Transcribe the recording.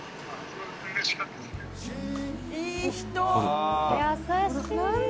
いい人！